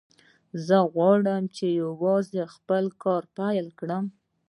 زه به وغواړم چې یوازې خپل کار پیل کړم